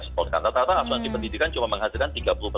setorkan rata rata asuransi pendidikan cuma menghasilkan